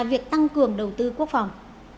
việc tăng cường đầu tư quốc phòng